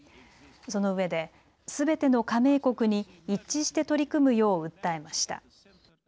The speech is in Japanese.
そのうえで、すべての加盟国に一致して取り組むよう訴えました。